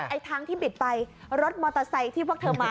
ไอ้ทางที่บิดไปรถมอเตอร์ไซค์ที่พวกเธอมา